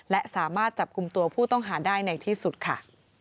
และสามารถจับกลุ่มตัวผู้ต้องหาได้ในที่สุดค่ะ